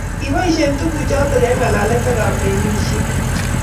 Kiboishe tuguk chotok eng' ngalalet ak kampeinishek